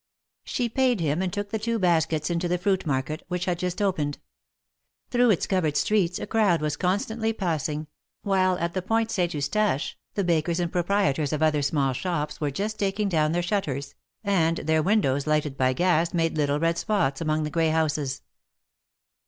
She paid him, and took the two baskets into the fruit market, which had just opened. Through its covered streets a crowd was constantly passing, while at the Pointe Saint Eustache, the bakers and proprietors of other small shops were just taking down their shutters, and their windows, lighted by gas, made little red spots among the gray houses.